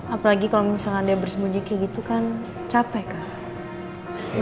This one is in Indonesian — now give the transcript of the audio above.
apalagi kalo misalkan dia bersembunyi kayak gitu kan capek kah